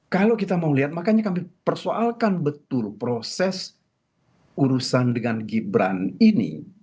kalau kita mau lihat makanya kami persoalkan betul proses urusan dengan gibran ini